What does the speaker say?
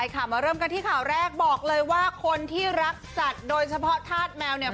มาเริ่มกันที่ข่าวแรกบอกเลยว่าคนที่รักสัตว์โดยเฉพาะธาตุแมวเนี่ย